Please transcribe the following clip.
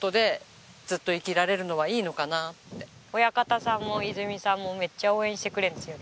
やっぱり親方さんもいづみさんもめっちゃ応援してくれるんですよね。